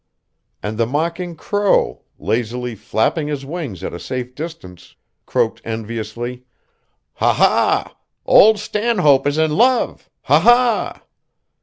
And the mocking crow, lazily flapping his wings at a safe distance, croaked enviously: "Ha, ha! old Stanhope is in love. Ha, ha!"